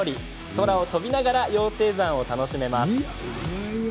空を飛びながら羊蹄山を楽しめます。